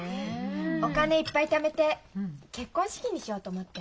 お金いっぱいためて結婚資金にしようと思って。